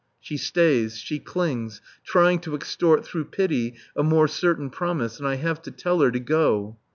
She stays, she clings, trying to extort through pity a more certain promise, and I have to tell her to go.